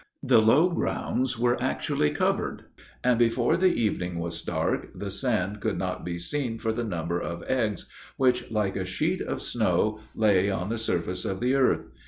The low grounds were actually covered; and before the evening was dark, the sand could not be seen for the number of eggs, which, like a sheet of snow, lay on the surface of the earth.